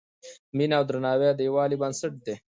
مینه او درناوی د یووالي بنسټ دی.